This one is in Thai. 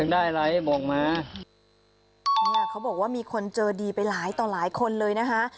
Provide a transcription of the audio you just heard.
บอกมาเนี่ยเขาบอกว่ามีคนเจอดีไปหลายต่อหลายคนเลยนะคะ